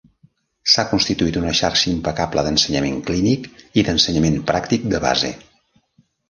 S'ha constituït una xarxa impecable d'ensenyament clínic i d'ensenyament pràctic de base.